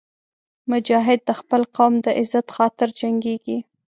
مجاهد د خپل قوم د عزت خاطر جنګېږي.